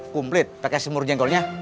kumplit pakai semur jengkolnya